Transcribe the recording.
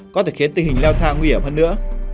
có thể khiến tình hình leo thang nguy hiểm hơn nữa